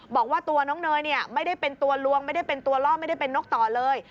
บอกว่าตัวน้องเนยเนี่ยไม่ได้เป็นตัวลวงไม่ได้เป็นตัวล่อไม่ได้เป็นนกต่อเลย